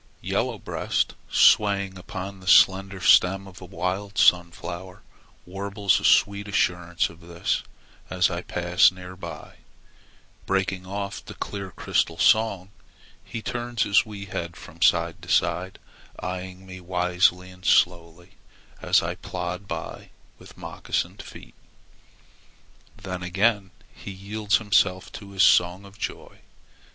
Yellow Breast, swaying upon the slender stem of a wild sunflower, warbles a sweet assurance of this as I pass near by. Breaking off the clear crystal song, he turns his wee head from side to side eyeing me wisely as slowly I plod with moccasined feet. Then again he yields himself to his song of joy.